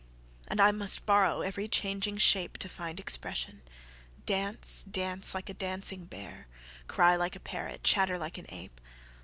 And I must borrow every changing shapeTo find expression … dance, danceLike a dancing bear, Cry like a parrot, chatter like an ape.